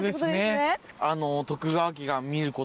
そうですね。